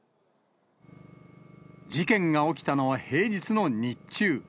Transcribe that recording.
事件が起きたのは平日の日中。